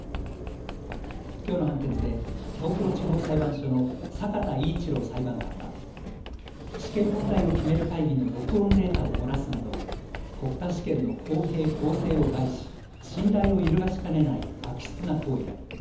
きょうの判決で東京地方裁判所の坂田威一郎裁判官は試験問題を決める会議の録音データを漏らすなど国家試験の公平公正を害し信頼を揺るがしかねない悪質な行為だ。